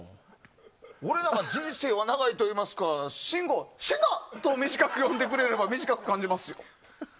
俺なんか人生は長いといいますが「しんご」と短く呼んでくれれば短く感じますって。